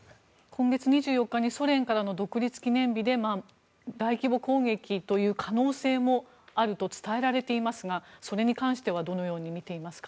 今月２４日にソ連からの独立記念日で大規模攻撃という可能性もあると伝えられていますがそれに関してはどのように見ていますか？